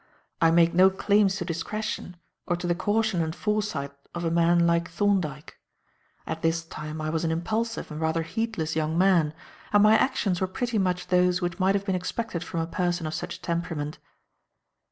I make no claims to discretion or to the caution and foresight of a man like Thorndyke. At this time I was an impulsive and rather heedless young man, and my actions were pretty much those which might have been expected from a person of such temperament.